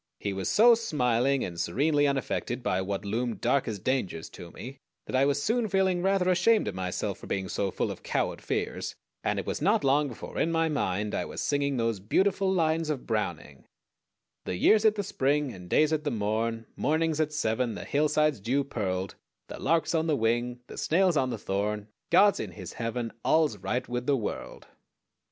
He was so smiling and serenely unaffected by what loomed dark as dangers to me that I was soon feeling rather ashamed of myself for being so full of coward fears, and it was not long before in my mind I was singing those beautiful lines of Browning: The year's at the spring, And day's at the morn; Morning's at seven; The hillside's dew pearled; The lark's on the wing; The snail's on the thorn; God's in his heaven All's right with the world!